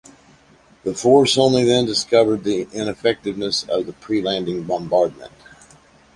The force only then discovered the ineffectiveness of the pre-landing bombardment.